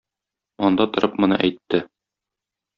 Анда торып моны әйтте: